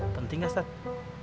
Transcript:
penting gak ustadz